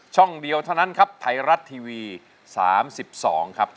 ช่องเดียวเท่านั้นครับไทยรัฐทีวี๓๒ครับ